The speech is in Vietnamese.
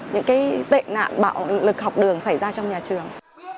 những cái tệ nạn bạo lực học đường xảy ra trong nhà trường